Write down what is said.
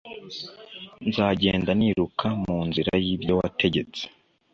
Nzagenda niruka mu nzira y ibyo wategetse